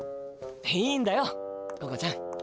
いいんだよココちゃん。